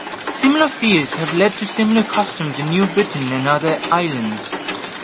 Similar fears have led to similar customs in New Britain and other islands.